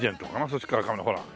そっちからカメラほら。